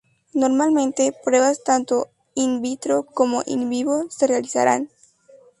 Normalmente, pruebas tanto "in vitro" como "in vivo "se realizarán.